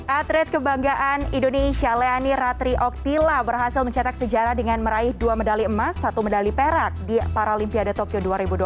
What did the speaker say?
atlet kebanggaan indonesia leoni ratri oktila berhasil mencetak sejarah dengan meraih dua medali emas satu medali perak di paralimpiade tokyo dua ribu dua puluh